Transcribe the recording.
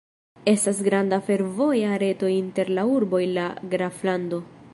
Estas granda fervoja reto inter la urboj la graflando.